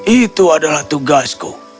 itu adalah tugasku